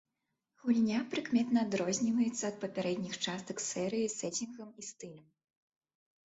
Гульня прыкметна адрозніваецца ад папярэдніх частак серыі сэцінгам і стылем.